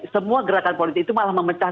semua gerakan politik itu malah memecah